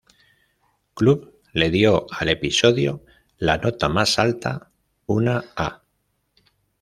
Club le dio al episodio la nota más alta, una "A".